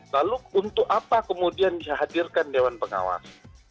lalu untuk apa kemudian dihadirkan dewan pengawas